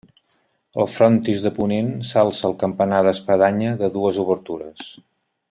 Al frontis de ponent s'alça el campanar d'espadanya de dues obertures.